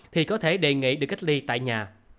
thì có thể đề nghị được cách ly tại nhà